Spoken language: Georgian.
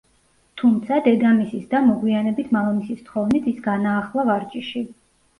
თუმცა, დედამისის და მოგვიანებით მამამისის თხოვნით, ის განაახლა ვარჯიში.